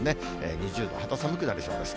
２０度、肌寒くなりそうです。